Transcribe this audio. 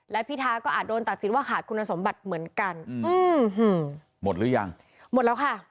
และพิท้าก็อาจโดนตัดสินว่าขาดคุณสมบัติเหมือนกันอืมหมดหรือยังหมดแล้วค่ะ